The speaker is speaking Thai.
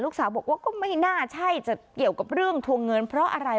สาวบอกว่าก็ไม่น่าใช่จะเกี่ยวกับเรื่องทวงเงินเพราะอะไร